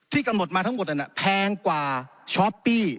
กำหนดมาทั้งหมดนั้นแพงกว่าช้อปปี้